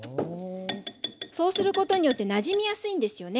そうすることによってなじみやすいんですよね。